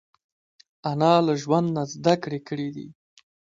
انا له ژوند نه زده کړې کړې دي